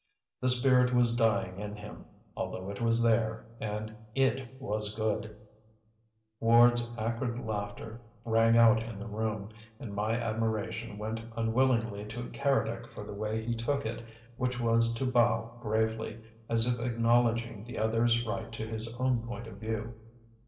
The spirit was dying in him, although it was there, and IT was good " Ward's acrid laughter rang out in the room, and my admiration went unwillingly to Keredec for the way he took it, which was to bow gravely, as if acknowledging the other's right to his own point of view.